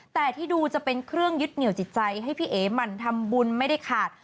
แต่ที่ดูจะเป็นเครื่องยึดเหนียวจิตใจให้พี่เอ๋หมั่นทำบุญไม่ได้ขาด